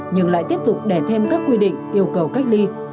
nhưng lại tiếp tục đẻ thêm các quy định yêu cầu cách ly